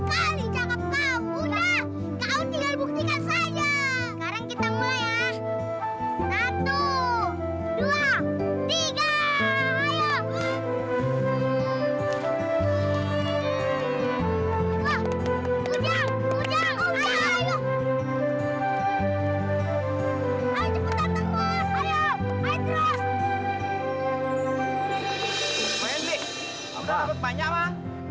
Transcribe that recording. pak encik kamu sudah nabut banyak pak